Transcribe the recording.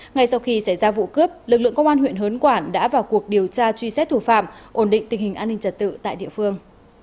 ngay sau khi xảy ra vụ cướp lực lượng công an huyện hớn quản đã vào cuộc điều tra truy xét thủ phạm ổn định tình hình an ninh trật tự tại địa phương